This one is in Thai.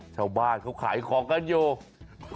ชาวบ้านเขาขายของกันอยู่